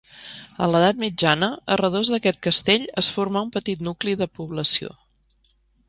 A l'edat mitjana, a redós d'aquest castell es formà un petit nucli de població.